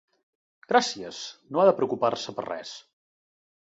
Gràcies, no ha de preocupar-se per res.